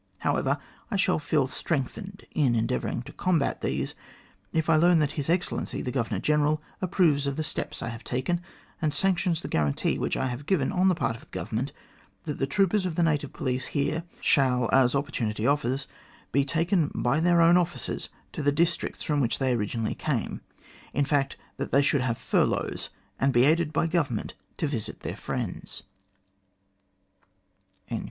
However, I shall feel strengthened in endeavouring to combat these, if I learn that His Excellency the Governor General approves of the steps I have taken, and sanctions the guarantee which I have given on the part of the Government that the troopers of the native police here, shall, as opportunity offers, be taken by their own officers to the districts from which they originally came; in fact, that they should have furloughs, and be aided by Government to visit their friends."